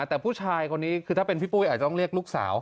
แต่ผู้ชายคนนี้คือถ้าเป็นพี่ปุ้ยอาจจะต้องเรียกลูกสาว